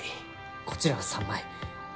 こちらは３枚。